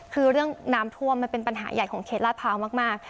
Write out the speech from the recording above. คือเรื่องน้ำท่วมมันเป็นปัญหาใหญ่ของเขตลาดพร้าวมาก